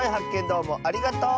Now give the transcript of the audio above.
どうもありがとう！